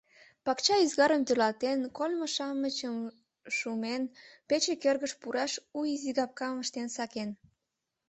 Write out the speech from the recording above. Пакча ӱзгарым тӧрлатен, кольмо-шамычым шумен, пече кӧргыш пураш у изигапкам ыштен сакен.